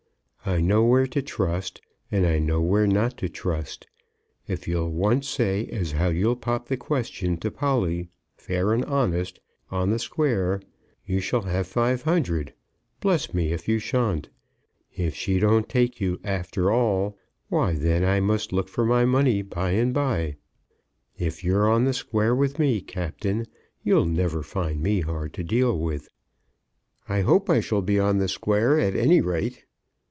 "I know where to trust, and I know where not to trust. If you'll once say as how you'll pop the question to Polly, fair and honest, on the square, you shall have five hundred; bless me, if you shan't. If she don't take you after all, why then I must look for my money by and bye. If you're on the square with me, Captain, you'll never find me hard to deal with." "I hope I shall be on the square, at any rate."